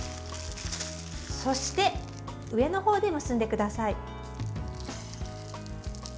そして、上の方で結んでください。